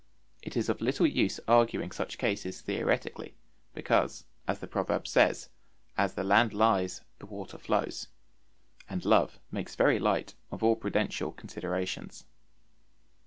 It is of little use arguing such cases theoretically, because, as the proverb says, as the land lies the water flows, and love makes very light of all prudential considerations.